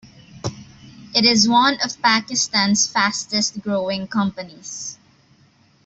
It is one of Pakistan's fastest growing companies.